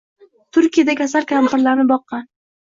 Turkiyada kasal kampirlarni boqqan